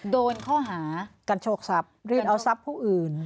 โดนข้อหากันโชคทรัพย์รีดเอาทรัพย์ผู้อื่น